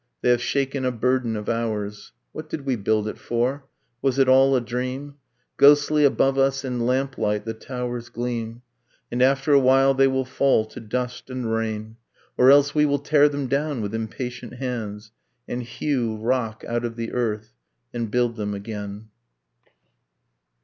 They have shaken a burden of hours. ... What did we build it for? Was it all a dream? ... Ghostly above us in lamplight the towers gleam ... And after a while they will fall to dust and rain; Or else we will tear them down with impatient hands; And hew rock out of the earth, and build them again.